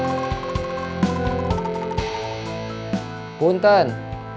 dessasku kabar kan